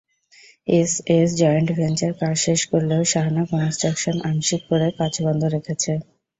SS joint venture কাজ শেষ করলেও শাহানা কনস্ট্রাকশন আংশিক করে কাজ বন্ধ রেখেছে।